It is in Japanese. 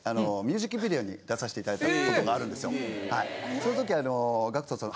そのときＧＡＣＫＴさん